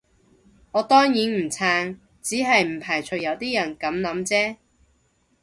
我當然唔撐，只係唔排除有啲人噉諗啫